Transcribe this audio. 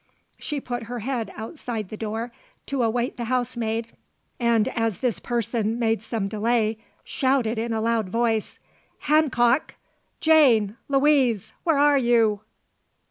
She put her head outside the door to await the housemaid and, as this person made some delay, shouted in a loud voice: "Handcock! Jane! Louise! Where are you?